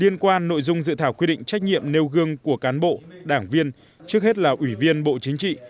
liên quan nội dung dự thảo quy định trách nhiệm nêu gương của cán bộ đảng viên trước hết là ủy viên bộ chính trị